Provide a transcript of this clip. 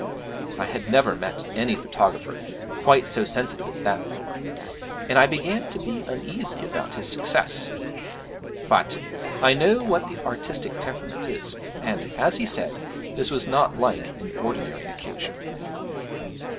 I had never met any photographer quite so sensitive as that before, and I began to be uneasy about his success; but I know what the artistic temperament is, and, as he said, this was not like an ordinary occasion.